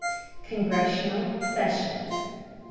CONGRESSIONAL SESSIONS.